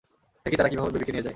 দেখি তারা কিভাবে বেবিকে নিয়ে যায়!